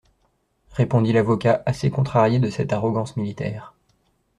Répondit l'avocat, assez contrarié de cette arrogance militaire.